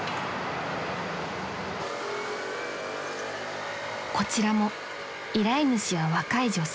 ［こちらも依頼主は若い女性］